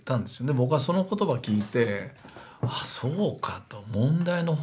僕はその言葉聞いてああそうかと。